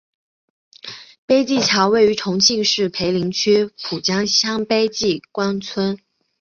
碑记桥位于重庆市涪陵区蒲江乡碑记关村。